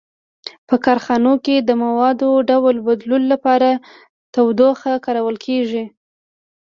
په کارخانو کې د موادو ډول بدلولو لپاره تودوخه کارول کیږي.